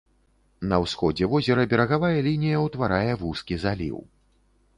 На ўсходзе возера берагавая лінія ўтварае вузкі заліў.